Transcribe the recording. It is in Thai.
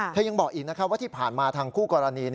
ยังบอกอีกนะครับว่าที่ผ่านมาทางคู่กรณี